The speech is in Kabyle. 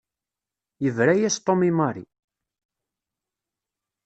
Yebra-yas Tom i Mary.